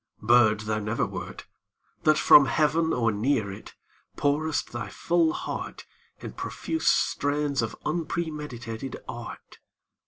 Bird thou never wert That from heaven or near it Pourest thy full heart In profuse strains of unpremeditated art.